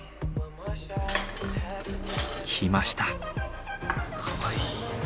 来ました。